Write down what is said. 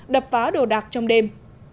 đập phá đồ đạc trong đêm